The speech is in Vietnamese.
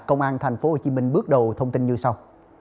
công an tp hcm bước đầu thông tin như sau